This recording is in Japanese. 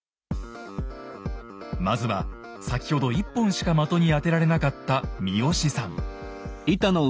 まずは先ほど１本しか的に当てられなかった三好さん。